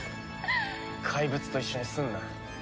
怪物と一緒にすんな。